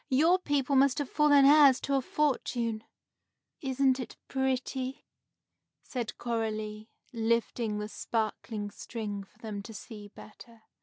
Your people must have fallen heirs to a fortune!" "Isn't it pretty!" said Coralie, lifting the sparkling string for them to see better.